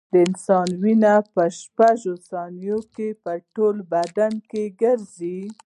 د انسان وینه په شپږو ثانیو کې ټول بدن ګرځي.